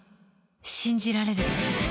信じられる。